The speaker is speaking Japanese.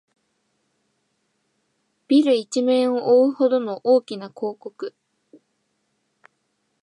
ビル一面をおおうほどの大きな広告